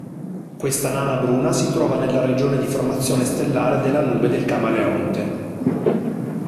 Questa nana bruna si trova nella regione di formazione stellare della Nube del Camaleonte.